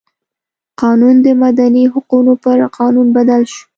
قانون د مدني حقونو پر قانون بدل شو.